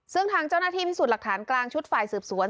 ซึ่งทางเจ้าหน้าที่พิสูจน์หลักฐานกลางชุดฝ่ายสืบสวน